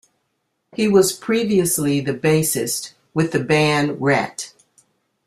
He was previously the bassist with the band Ratt.